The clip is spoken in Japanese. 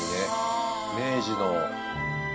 明治の。